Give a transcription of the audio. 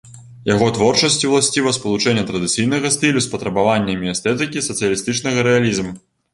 Яго творчасці ўласціва спалучэнне традыцыйнага стылю з патрабаваннямі эстэтыкі сацыялістычнага рэалізму.